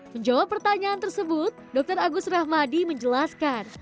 menjawab pertanyaan tersebut dr agus rahmadi menjelaskan